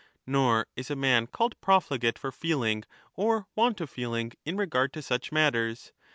Nor is a man called profligate for feeling or want of feeling in regard to such matters.